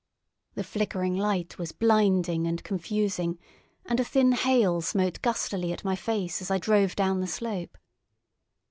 The flickering light was blinding and confusing, and a thin hail smote gustily at my face as I drove down the slope.